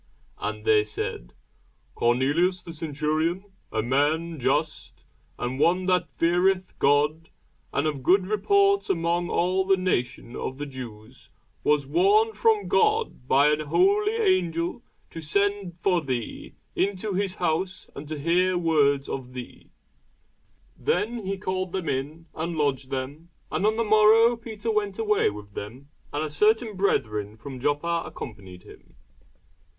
And they said, Cornelius the centurion, a just man, and one that feareth God, and of good report among all the nation of the Jews, was warned from God by an holy angel to send for thee into his house, and to hear words of thee. Then called he them in, and lodged them. And on the morrow Peter went away with them, and certain brethren from Joppa accompanied him.